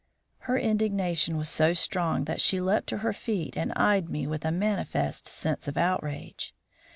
Her indignation was so strong that she leaped to her feet and eyed me with a manifest sense of outrage.